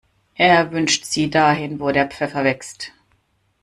Er wünscht sie dahin, wo der Pfeffer wächst.